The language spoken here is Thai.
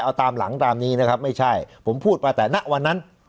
เอาตามหลังตามนี้นะครับไม่ใช่ผมพูดมาแต่ณวันนั้น